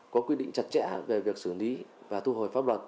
có quy định chặt chẽ về việc xử lý và thu hồi pháp luật